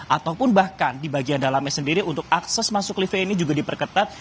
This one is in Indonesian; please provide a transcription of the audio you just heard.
ataupun bahkan di bagian dalamnya sendiri untuk akses masuk life ini juga diperketat